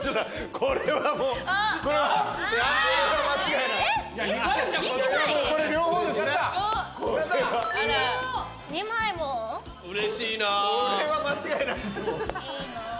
これは間違いないですもん。